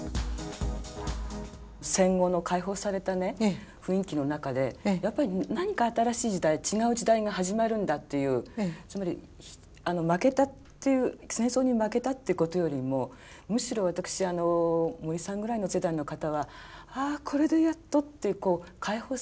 戦後の解放されたね雰囲気の中でやっぱり何か新しい時代違う時代が始まるんだっていうつまり戦争に負けたってことよりもむしろ私森さんぐらいの世代の方は「あこれでやっと」って解放されたね